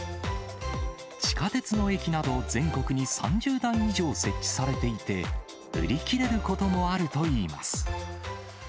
地下鉄の駅など、全国に３０台以上設置されていて、売り切れることもあるといいます。